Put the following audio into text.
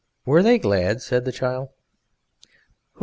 "Were they glad?" said the child. "Who?"